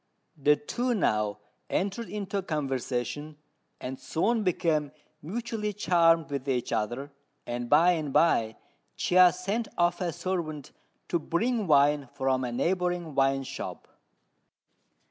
The two now entered into conversation, and soon became mutually charmed with each other; and by and by Chia sent off a servant to bring wine from a neighbouring wine shop.